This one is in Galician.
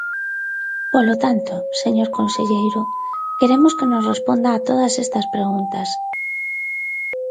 Polo tanto, señor conselleiro, queremos que nos responda a todas estas preguntas.